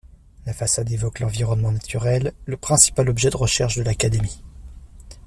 La façade évoque l’environnement naturel, le principal objet de recherche de l’Académie.